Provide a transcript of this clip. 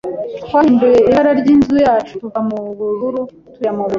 Twahinduye ibara ryinzu yacu tuva mubururu tujya mubururu.